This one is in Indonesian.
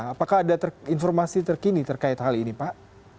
apakah ada informasi terkini terkait hal ini pak